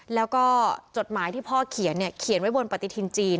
แล้วก็จดหมายที่พ่อเขียนเขียนไว้บนปฏิทินจีน